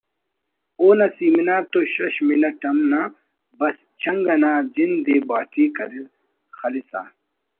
اونا سیمینار تو شش منٹ ہم نہ بس چنگ انا جند ءِ باٹی کر خلسا